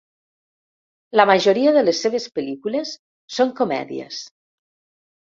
La majoria de les seves pel·lícules són comèdies.